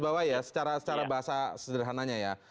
jadi saya mau bawa ya secara bahasa sederhananya ya